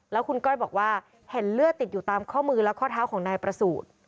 แล้วคุณก้อยบอกว่าเห็นเลือดติดอยู่ตามข้อมือและข้อเท้าของนายประสูจน์